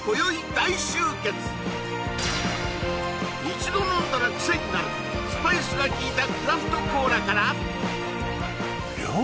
一度飲んだらクセになるスパイスがきいたクラフトコーラからああ